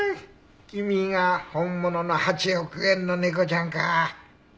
君が本物の８億円の猫ちゃんか。